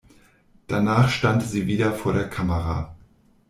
Danach stand sie wieder vor der Kamera.